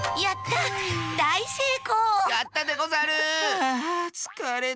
やったでござる！